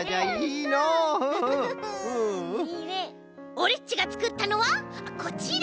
オレっちがつくったのはこちら！